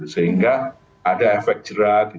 sehingga ada efek jerak